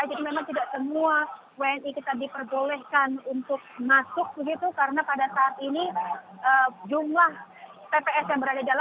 jadi memang tidak semua wni kita diperbolehkan untuk masuk begitu karena pada saat ini jumlah pps yang berada di dalam